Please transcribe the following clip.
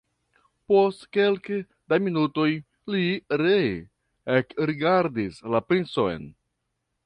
Post kelke da minutoj li ree ekrigardis la princon.